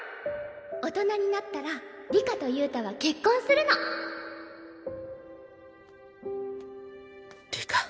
大人になったら里香と憂太は結婚するの里香。